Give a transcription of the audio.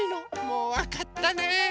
もうわかったね。